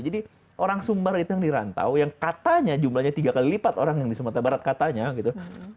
jadi orang sumbar itu yang dirantau yang katanya jumlahnya tiga kali lipat orang yang di sumatera barat katanya gitu